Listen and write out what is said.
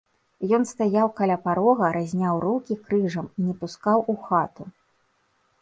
Ён стаяў каля парога, разняў рукі крыжам і не пускаў у хату.